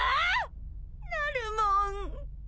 なるもん。